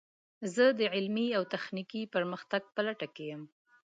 زه د علمي او تخنیکي پرمختګ په لټه کې یم.